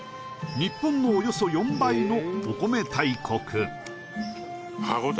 日本のおよそ４倍のお米大国歯ごたえ